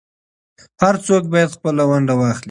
هر څوک بايد خپله ونډه واخلي.